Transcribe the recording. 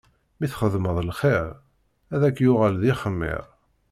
Mi txedmeḍ lxiṛ, ad ak-yuɣal d ixmiṛ.